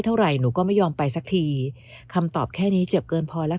เท่าไหร่หนูก็ไม่ยอมไปสักทีคำตอบแค่นี้เจ็บเกินพอแล้ว